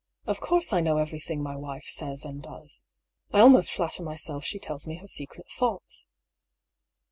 " Of course I know everything my wife says and does. I almost fiatter myself she tells me her secret thoughts."